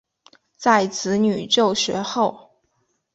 在子女就学后